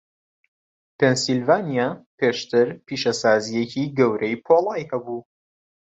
پێنسیلڤانیا پێشتر پیشەسازییەکی گەورەی پۆڵای هەبوو.